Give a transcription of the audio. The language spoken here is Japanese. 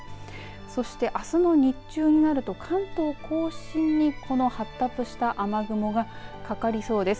そして、あすの日中になると関東甲信にこの発達した雨雲がかかりそうです。